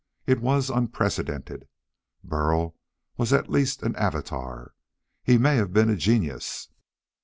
It was unprecedented. Burl was at least an atavar. He may have been a genius.